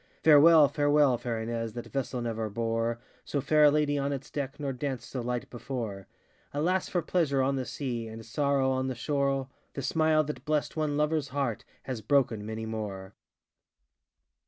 Farewell, farewell, fair Ines, That vessel never bore So fair a lady on its deck, Nor danced so light before, ŌĆö Alas for pleasure on the sea, And sorrow on the shorel The smile that blest one loverŌĆÖs heart Has broken many more!